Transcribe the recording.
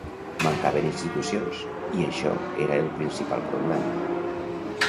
Mancaven institucions, i això era el principal problema.